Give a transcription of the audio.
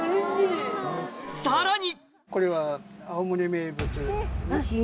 さらに！